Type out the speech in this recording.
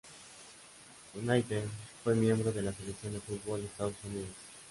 United y fue miembro de la selección de fútbol de Estados Unidos.